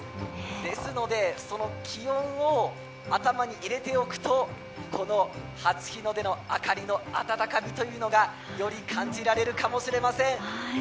ですので気温を頭に入れておくとこの初日の出の明かりの温かみというのがより感じられるかもしれません。